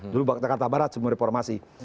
dulu jakarta barat semua reformasi